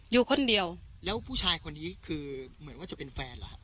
อยู่คนเดียวแล้วผู้ชายคนนี้คือเหมือนว่าจะเป็นแฟนเหรอครับ